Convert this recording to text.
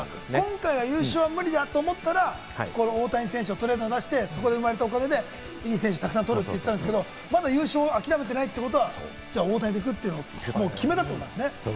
今回、優勝無理だと思ったら大谷選手をトレードに出して、そこで生まれたお金でいい選手をたくさん取るとかするけれども、まだ優勝は諦めてないってことは、大谷で行くって決めたってことですね。